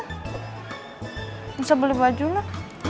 gak usah beli baju lah